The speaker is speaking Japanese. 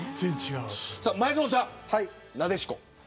前園さん、なでしこ。